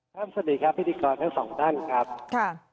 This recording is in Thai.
สวัสดีครับพิธีกรทั้งสองท่านครับค่ะ